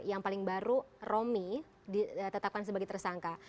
yang paling baru romi ditetapkan sebagai tersangka